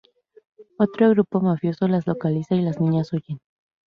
Otro grupo mafioso las localiza y las niñas huyen.